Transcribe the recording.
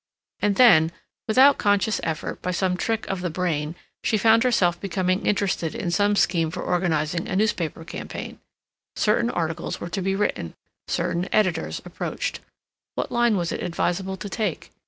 And then, without conscious effort, by some trick of the brain, she found herself becoming interested in some scheme for organizing a newspaper campaign. Certain articles were to be written; certain editors approached. What line was it advisable to take?